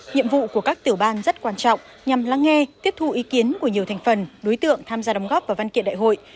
nhiệm vụ của các tiểu ban rất quan trọng nhằm lắng nghe tiếp thu ý kiến của nhiều thành phần đối tượng tham gia đóng góp vào văn kiện đại hội